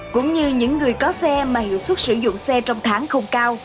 cũng như những người có xe mà hiệu suất sử dụng xe trong tháng không cao